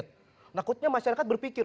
takutnya masyarakat berpikir